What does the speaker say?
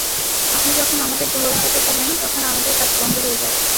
আপনি যখন আমাদের ঢোল কেটে ফেলেন, তখন আমাদের কাজ বন্ধ হয়ে যায়।